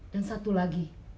dan satu lagi